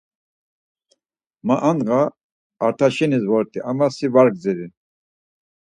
Ma andğa Art̆aşenis vort̆i ama si var gdziri.